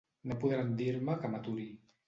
No podran dir-me que m'aturi.